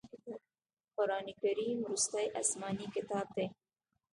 قرآن کریم وروستی اسمانې کتاب دی.